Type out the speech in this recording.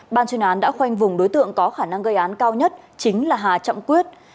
ban chuyên án đã khoanh vùng đối tượng có khả năng gây án cao nhất chính là hà trọng quyết